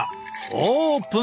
オープン！